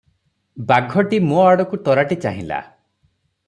ବାଘଟି ମୋ ଆଡ଼କୁ ତରାଟି ଚାହିଁଲା ।